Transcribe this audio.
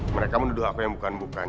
mereka menuduh apa yang bukan bukan